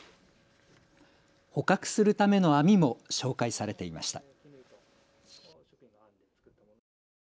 捕獲するための網も紹介されていました。